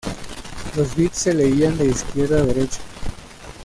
Los bits se leían de izquierda a derecha.